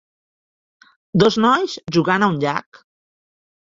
Dos nois jugant a un llac.